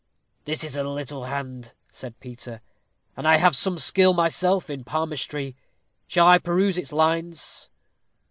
"This is a little hand," said Peter, "and I have some skill myself in palmistry. Shall I peruse its lines?"